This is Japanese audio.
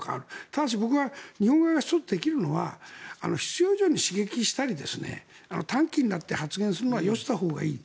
ただし、日本側が１つできるのは必要以上に刺激したり短気になって発言するのはよしたほうがいい。